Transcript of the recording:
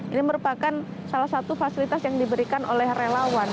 ini merupakan salah satu fasilitas yang diberikan oleh relawan